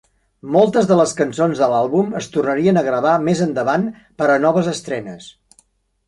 Moltes de les cançons de l'àlbum es tornarien a gravar més endavant per a noves estrenes.